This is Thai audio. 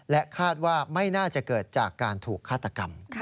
คาดว่าไม่น่าจะเกิดจากการถูกฆาตกรรม